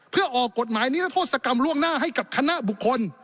เพื่อออกกฎหมายนิรโทษกรรมล่วงหน้าให้กับคณะบุคคล